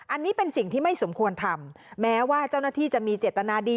อันนี้เป็นสิ่งที่ไม่สมควรทำแม้ว่าเจ้าหน้าที่จะมีเจตนาดี